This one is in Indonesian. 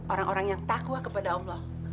orang orang yang takwa kepada allah